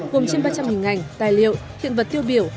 gồm trên ba trăm linh ngành tài liệu hiện vật tiêu biểu